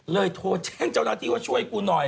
โทรแจ้งเจ้าหน้าที่ว่าช่วยกูหน่อย